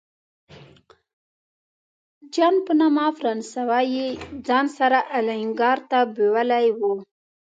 جان په نامه فرانسوی یې ځان سره الینګار ته بیولی و.